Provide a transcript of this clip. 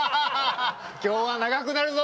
今日は長くなるぞ。